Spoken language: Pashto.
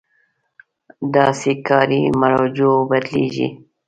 داسې کاري مراجعو بدلېږي.